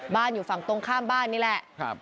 อยู่ฝั่งตรงข้ามบ้านนี่แหละ